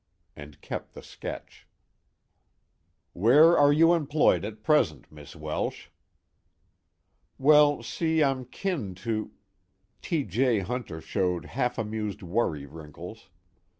and kept the sketch. "Where are you employed at present, Miss Welsh?" "Well, see, I'm kin to " T. J. Hunter showed half amused worry wrinkles.